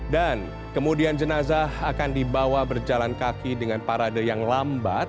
dan kemudian jenazah akan dibawa berjalan kaki dengan parade yang lambat